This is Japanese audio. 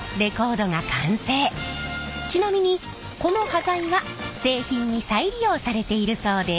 ちなみにこの端材は製品に再利用されているそうです。